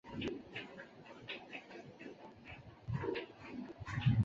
但马龙派基督教徒获得了在全国范围内以及经济上的巨大影响力。